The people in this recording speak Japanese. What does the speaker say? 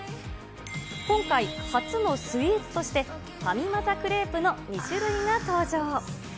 今回、初のスイーツとして、ファミマ・ザ・クレープの２種類が登場。